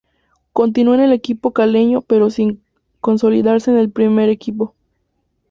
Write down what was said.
Continuó en el equipo caleño pero sin consolidarse en el primer equipo.